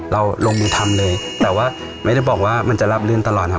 ลงมือทำเลยแต่ว่าไม่ได้บอกว่ามันจะรับลื่นตลอดครับ